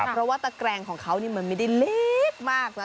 เพราะว่าตะแกรงของเขานี่มันไม่ได้เล็กมากนะ